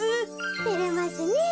てれますねえ。